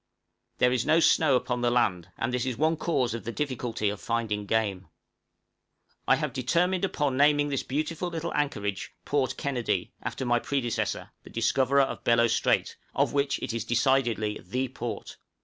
There is no snow upon the land, and this is one cause of the difficulty of finding game. {PORT KENNEDY.} I have determined upon naming this beautiful little anchorage Port Kennedy, after my predecessor, the discoverer of Bellot Strait, of which it is decidedly the port.